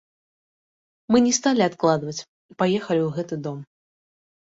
Мы не сталі адкладваць і паехалі ў гэты дом.